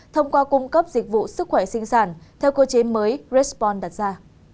thông qua cung cấp dịch vụ sức khỏe sinh sản theo cô chế mới respond đặt ra